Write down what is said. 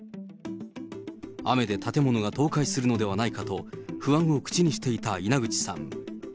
雨で建物が倒壊するのではないかと不安を口にしていた稲口さん。